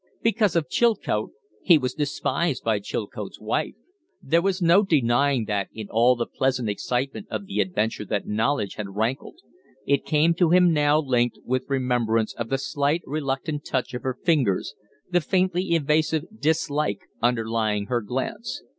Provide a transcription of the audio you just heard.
Because of Chilcote, he was despised by Chilcote's wife! There was no denying that in all the pleasant excitement of the adventure that knowledge had rankled. It came to him now linked with remembrance of the slight, reluctant touch of her fingers, the faintly evasive dislike underlying her glance.